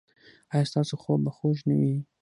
ایا ستاسو خوب به خوږ نه وي؟